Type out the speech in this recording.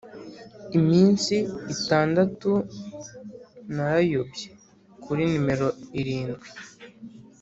iminsi itandatu narayobye, - kuri nimero irindwi